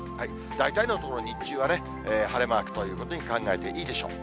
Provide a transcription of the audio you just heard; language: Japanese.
大体のところ、日中はね、晴れマークということに考えていいでしょう。